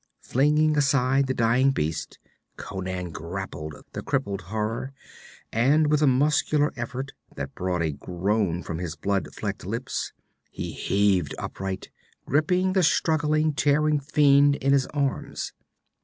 Flinging aside the dying beast, Conan grappled the crippled horror and, with a muscular effort that brought a groan from his blood flecked lips, he heaved upright, gripping the struggling, tearing fiend in his arms.